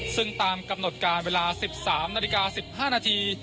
ซึ่งตามกำหนดการเวลา๑๓นาฬิกา๑๕นาที